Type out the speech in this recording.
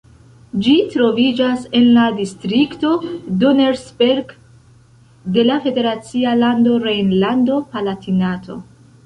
Ĝi troviĝas en la distrikto Donnersberg de la federacia lando Rejnlando-Palatinato.